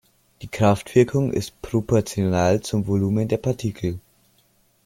Die Kraftwirkung ist proportional zum Volumen der Partikel.